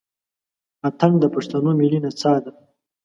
اتڼ د پښتنو ملي نڅا ده.